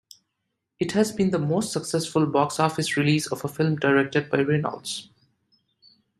It has been the most successful box-office release of a film directed by Reynolds.